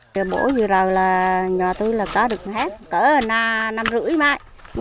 nhiều người trồng rừng rơi vào cảnh lao thân thiên đề đau